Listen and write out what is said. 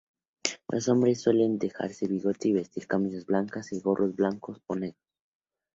Los hombres suelen dejarse bigote y vestir camisas blancas y gorros blancos o negros.